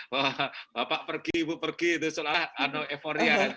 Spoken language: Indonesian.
wah bapak pergi ibu pergi itu seolah olah anu euforia